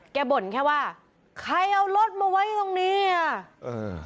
บ่นแค่ว่าใครเอารถมาไว้ตรงนี้อ่ะเออ